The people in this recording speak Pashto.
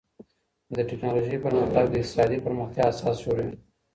د ټکنالوژۍ پرمختګ د اقتصادي پرمختيا اساس جوړوي.